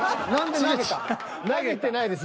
投げてないです